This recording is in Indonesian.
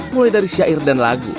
mulai dari syair dan lagu